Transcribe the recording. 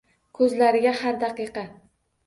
Koʼzlariga har daqiqa.